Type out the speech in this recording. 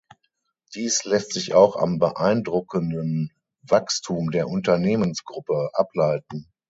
Dies lässt sich auch am beeindruckenden Wachstum der Unternehmensgruppe ableiten.